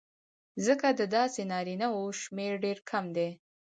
ځکه د داسې نارینهوو شمېر ډېر کم دی